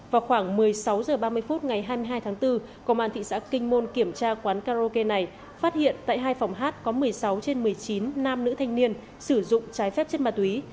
vào khoảng một mươi sáu h ba mươi phút ngày hai mươi hai tháng bốn công an thị xã kinh môn kiểm tra quán karaoke này phát hiện tại hai phòng hát có một mươi sáu trên một mươi chín nam nữ thanh niên sử dụng trái phép chất ma túy